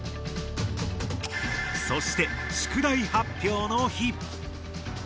そして宿題発表の日。